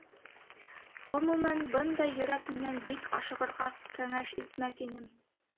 Ғөмүмән, бындай йөрәк менән бик ашығырға кәңәш итмәҫ инем.